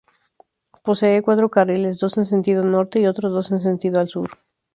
Posee cuatro carriles, dos en sentido norte y otros dos en sentido al sur.